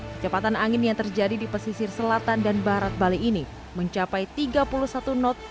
kecepatan angin yang terjadi di pesisir selatan dan barat bali ini mencapai tiga puluh satu knot